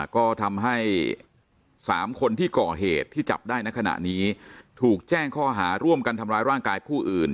ก็ทำให้๓คนที่ก่อเหตุที่จับได้ในขณะนี้ถูกแจ้งข้อหาร่วมกันทำร้ายร่างกายผู้อื่น